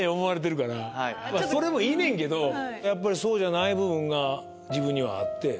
それもいいねんけどやっぱりそうじゃない部分が自分にはあって。